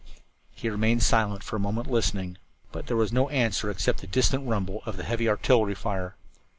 He remained silent for a moment listening, but there was no answer except the distant rumble of the heavy artillery fire.